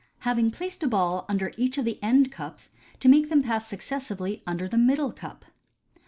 Having placed a Ball under each of the end Cups, to make them pass successively under the Middle Cup.